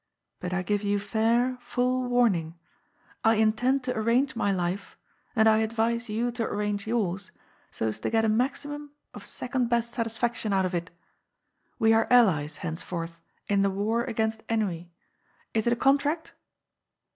But I give you fair, full warning. I in tend to arrange my life, and I advise you to arrange yours, so as to get a maximum of second best satisfaction out of it. We are allies, henceforth, in the war against ennui. Is it a contract